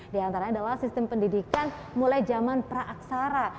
di antaranya adalah sistem pendidikan mulai zaman praaksara